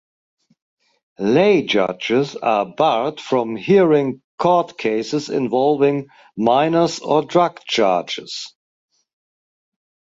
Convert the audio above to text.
Lay judges are barred from hearing court cases involving minors or drug charges.